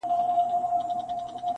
مضمون د شرافت دي په معنا لوستلی نه دی,